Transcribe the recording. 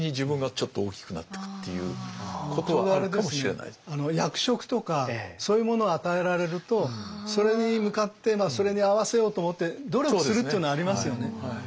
そうするとまた役職とかそういうものを与えられるとそれに向かってそれに合わせようと思って努力するっていうのはありますよね。